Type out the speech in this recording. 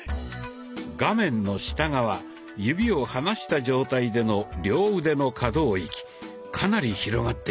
画面の下側指を離した状態での両腕の可動域かなり広がっていますね。